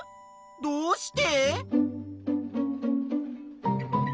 どうして？